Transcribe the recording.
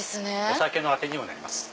お酒のアテにもなります。